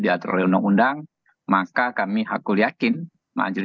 diatur oleh undang undang maka kami hakul yakin maka jelis hakim konstitusi maka